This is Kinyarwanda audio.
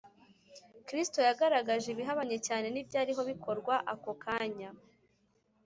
kristo yagaragaje ibihabanye cyane n’ibyariho bikorwa ako kanya